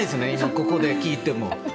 ここで聴いても。